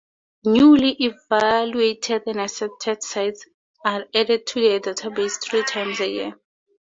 Newly evaluated and accepted sites are added to the database three times a year.